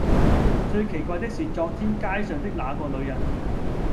最奇怪的是昨天街上的那個女人，